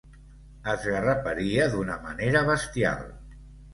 Esgarraparia d'una manera bestial.